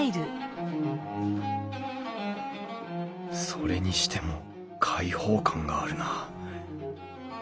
それにしても開放感があるなあ。